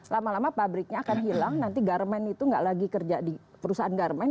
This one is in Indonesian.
lama lama pabriknya akan hilang nanti garmen itu nggak lagi kerja di perusahaan garmen